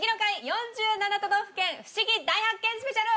４７都道府県フシギ大発見スペシャル！